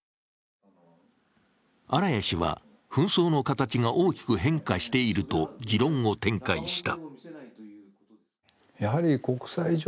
荒谷氏は紛争の形が大きく変化していると持論を展開した。